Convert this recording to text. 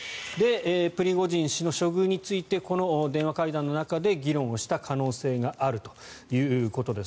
プリゴジン氏の処遇についてこの電話会談の中で議論をした可能性があるということです。